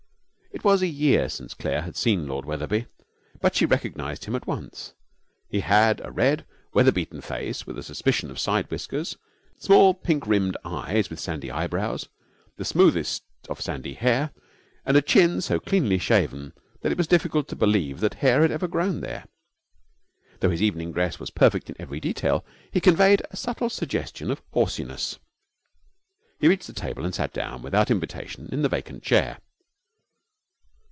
It was a year since Claire had seen Lord Wetherby, but she recognized him at once. He had a red, weather beaten face with a suspicion of side whiskers, small, pink rimmed eyes with sandy eyebrows, the smoothest of sandy hair, and a chin so cleanly shaven that it was difficult to believe that hair had ever grown there. Although his evening dress was perfect in every detail, he conveyed a subtle suggestion of horsiness. He reached the table and sat down without invitation in the vacant chair.